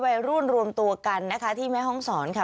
วัยร่วนรวมตัวกันนะคะที่แม่ห้องสอนค่ะ